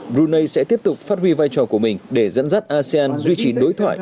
brunei sẽ tiếp tục phát huy vai trò của mình để dẫn dắt asean duy trì đối thoại